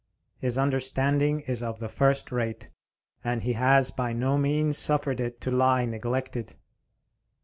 His understanding is of the first rate, and he has by no means suffered it to lie neglected.